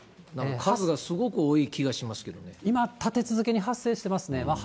数がすごく多い気がしますけれど今、立て続けに発生してますね。